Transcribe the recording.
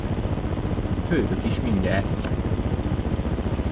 Főzök is mindjárt!